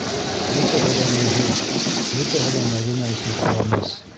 Бөтәһе лә мөһим, бөтәһе лә Мәҙинә өсөн ҡыуаныс.